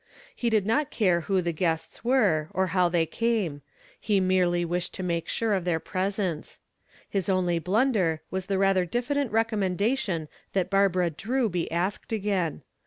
He did not care who the guests were, or how they came; he merely wished to make sure of their presence. His only blunder was the rather diffident recommendation that Barbara Drew be asked again.